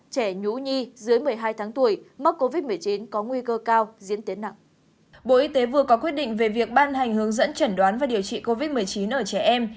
các bộ y tế vừa có quyết định về việc ban hành hướng dẫn chẩn đoán và điều trị covid một mươi chín ở trẻ em